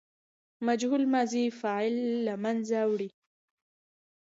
مجهول ماضي فاعل له منځه وړي.